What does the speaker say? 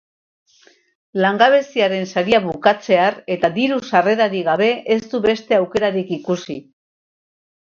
Langabeziaren saria bukatzear eta diru sarrerarik gabe, ez du beste aukerarik ikusi.